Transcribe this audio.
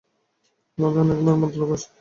মাথায় অনেকরকম মতলবই আসতে লাগল।